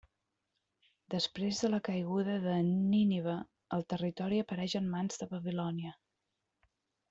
Després de la caiguda de Nínive el territori apareix en mans de Babilònia.